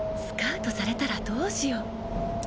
スカウトされたらどうしよう？